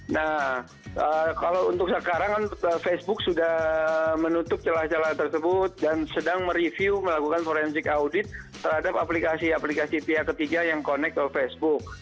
nah kalau untuk sekarang kan facebook sudah menutup celah celah tersebut dan sedang mereview melakukan forensik audit terhadap aplikasi aplikasi pihak ketiga yang connect ke facebook